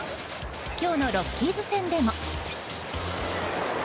今日のロッキーズ戦でも。